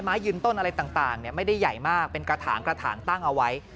ยืนต้นอะไรต่างไม่ได้ใหญ่มากเป็นกระถางกระถางตั้งเอาไว้